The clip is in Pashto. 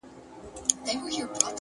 لوړ همت د محدودو شرایطو بندیوان نه وي!